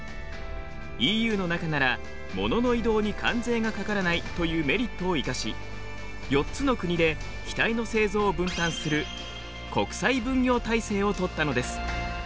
ＥＵの中なら物の移動に関税がかからないというメリットを生かし４つの国で機体の製造を分担する国際分業体制をとったのです。